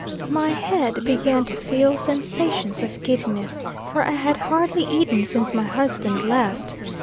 My head began to feel sensations of giddiness for I had hardly eaten since my husband left.